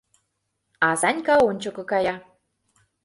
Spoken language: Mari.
А Санька ончыко кая.